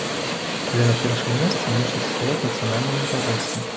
Але на першым месцы мусяць стаяць нацыянальныя інтарэсы.